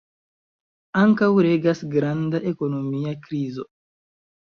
Ankaŭ regas granda ekonomia krizo.